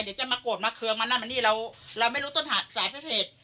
เดี๋ยวจะมาโกดมะเคืองมานั่นแบบนี้เราเราไม่รู้ต้นหาสายเผ็ดเผ็ด